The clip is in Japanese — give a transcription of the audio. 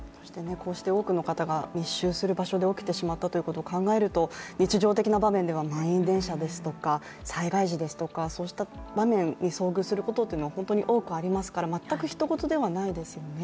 こうして多くの方が密集する場所で起きてしまったということを考えると日常的な場面では満員電車ですとか災害時ですとかそうした場面に遭遇することは本当に多くありますから、全くひと事ではないですよね。